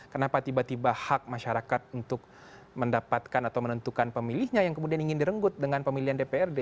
kenapa tiba tiba hak masyarakat untuk mendapatkan atau menentukan pemilihnya yang kemudian ingin direnggut dengan pemilihan dprd